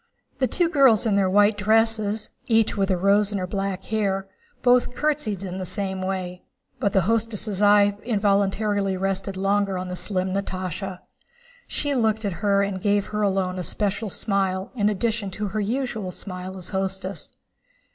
The two girls in their white dresses, each with a rose in her black hair, both curtsied in the same way, but the hostess' eye involuntarily rested longer on the slim Natásha. She looked at her and gave her alone a special smile in addition to her usual smile as hostess.